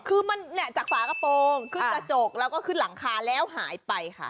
คือมันเนี่ยจากฝากระโปรงขึ้นกระจกแล้วก็ขึ้นหลังคาแล้วหายไปค่ะ